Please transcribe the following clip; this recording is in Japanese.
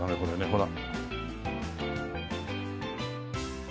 ほら。